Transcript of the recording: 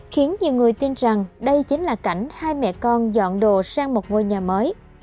khiến nhiều người tin rằng đây chính là cảnh hai mẹ con dọn đồ sang một ngôi nhà mới